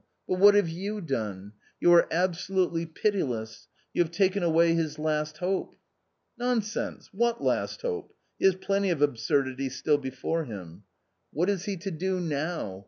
But what have you done? You are absolutely pitiless ; you have taken away his last hope." " Nonsense ! what last hope ? He has plenty of absurdities still before him." " What is he to do now